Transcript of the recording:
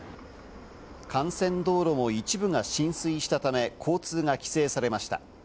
幹線道路も一部が浸水したため交通が規制されました。